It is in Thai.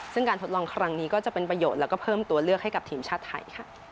ซึ่งการทดลองครั้งนี้ก็จะเป็นประโยชน์แล้วก็เพิ่มตัวเลือกให้กับทีมชาติไทย